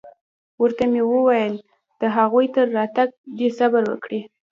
ورته مې وويل چې د هغوى تر راتگه دې صبر وکړي.